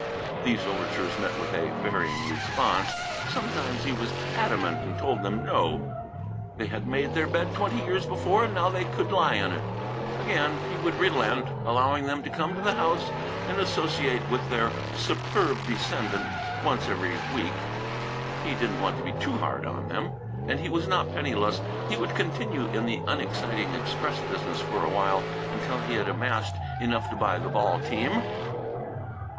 These overtures met with a varying response. Sometimes he was adamant and told them no; they had made their bed twenty years before, and now they could lie on it. Again, he would relent, allowing them to come to the house and associate with their superb descendant once every week. He didn't want to be too hard on them. And he was not penniless. He would continue in the unexciting express business for a while, until he had amassed enough to buy the ball team.